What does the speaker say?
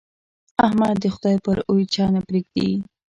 احمد د خدای پر اوېجه نه پرېږدي.